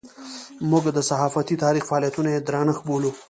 موږ د صحافتي تاریخ فعالیتونه یې د درنښت بولو.